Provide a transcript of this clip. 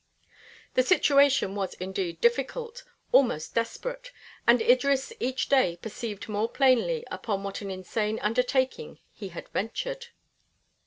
The situation was indeed difficult, almost desperate, and Idris each day perceived more plainly upon what an insane undertaking he had ventured.